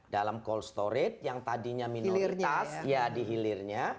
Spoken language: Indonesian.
dalam cold storage yang tadinya minoritas ya di hilirnya